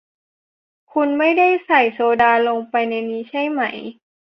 คุณไม่ได้ใส่โซดาลงไปในนี้ใช่ไหม